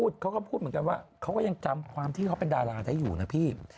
ได้อยู่นะพี่